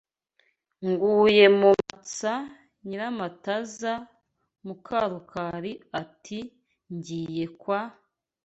Nguye mu matsa Nyiramataza Mukarukari ati Ngiye kwa